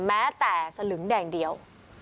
แม้แต่สลึงแดงเดียว